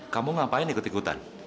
kamu ngapain ikut ikutan